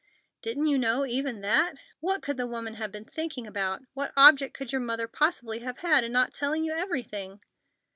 "Didn't you know even that? What could the woman have been thinking about? What object could your mother possibly have had in not telling you everything?"